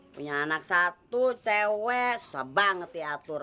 punya anak satu cewek banget diatur